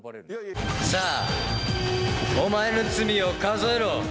さあ、お前の罪を数えろ。